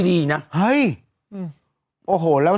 เบลล่าเบลล่า